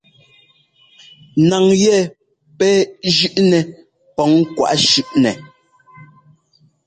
Naŋ yɛ pɛ́ jʉ́ꞌnɛ pɔŋ kwaꞌ shʉ́ꞌnɛ.